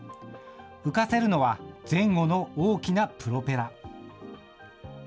浮かせるのは前後の大きなプロペラ。